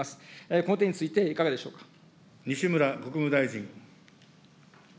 この点について、いかがでしょう西村国務大臣。